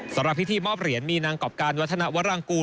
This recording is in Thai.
สำหรับพิธีมอบเหรียญมีนางกรอบการวัฒนวรางกูล